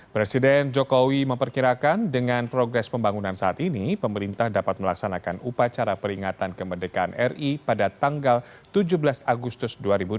presiden jokowi memperkirakan dengan progres pembangunan saat ini pemerintah dapat melaksanakan upacara peringatan kemerdekaan ri pada tanggal tujuh belas agustus dua ribu delapan belas